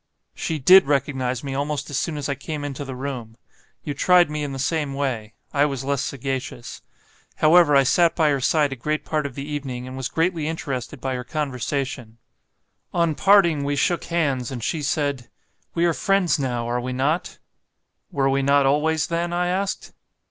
She DID recognise me almost as soon as I came into the room. You tried me in the same way; I was less sagacious. However, I sat by her side a great part of the evening and was greatly interested by her conversation. On parting we shook hands, and she said, 'We are friends now, are we not?' 'Were we not always, then?' I asked.